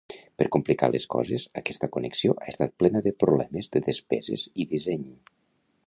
Per complicar les coses, aquesta connexió ha estat plena de problemes de despeses i disseny.